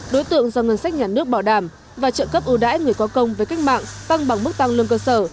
đối tượng do ngân sách nhà nước bảo đảm và trợ cấp ưu đãi người có công với cách mạng tăng bằng mức tăng lương cơ sở